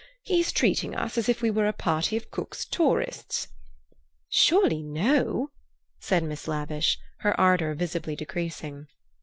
He is treating us as if we were a party of Cook's tourists." "Surely no!" said Miss Lavish, her ardour visibly decreasing.